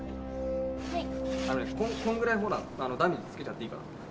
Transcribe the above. こんぐらいほらダミーつけちゃっていいから。